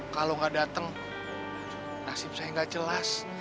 kalau gak dateng nasib saya gak jelas